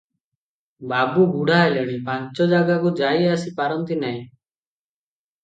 ବାବୁ ବୁଢ଼ା ହେଲେଣି, ପାଞ୍ଚ ଜାଗାକୁ ଯାଇ ଆସି ପାରନ୍ତି ନାଇଁ ।